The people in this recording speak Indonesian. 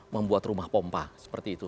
membuat rumah pompa seperti itu